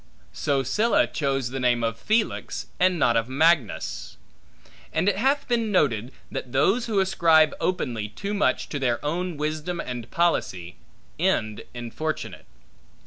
So Sylla chose the name of Felix, and not of Magnus. And it hath been noted, that those who ascribe openly too much to their own wisdom and policy, end infortunate.